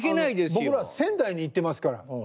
あの僕ら仙台に行ってますから。